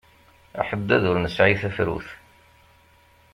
Aḥeddad ur nesɛi tafrut!